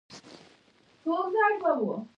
هغو بحثونو ته ورننوځو.